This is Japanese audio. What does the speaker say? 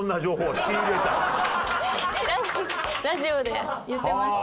ラジオで言ってました。